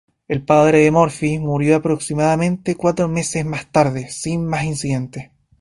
El padre Murphy murió aproximadamente cuatro meses más tarde, sin más incidentes.